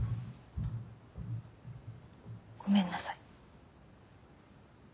ごめんなさい。